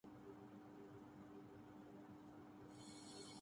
گوکہ سہانا اداکاری میں پہلے ہی ڈیبیو کرچکی ہیں